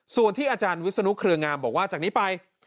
ส่วนที่อาจารย์วิศนุเครืองามบอกว่าจากนี้ไป